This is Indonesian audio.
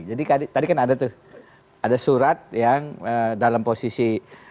jadi tadi kan ada tuh ada surat yang dalam posisi